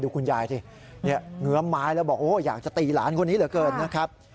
คุณยายสิเงื้อมไม้แล้วบอกโอ้อยากจะตีหลานคนนี้เหลือเกินนะครับ